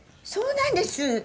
そうなんです。